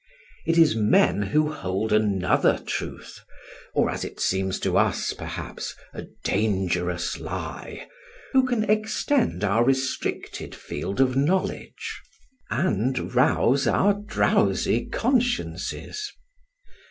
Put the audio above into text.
It is men who hold another truth, or, as it seems to us, perhaps, a dangerous lie, who can extend our restricted field of knowledge, and rouse our drowsy consciences.